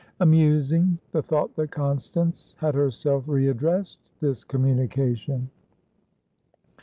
Amusing, the thought that Constance had herself re addressed this communication!